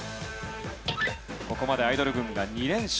ここまでアイドル軍が２連勝。